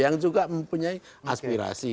yang juga mempunyai aspirasi